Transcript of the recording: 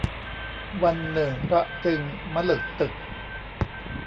วันหนึ่งพระจึงมะหลึกตึก